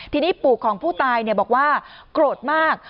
ทีนี้ปู่ของผู้ตายบอกว่าโกรธมาก